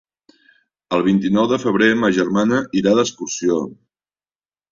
El vint-i-nou de febrer ma germana irà d'excursió.